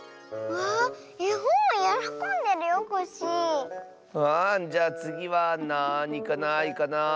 わあじゃあつぎはなにかないかなあ。